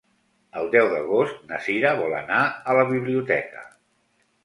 El deu d'agost na Sira vol anar a la biblioteca.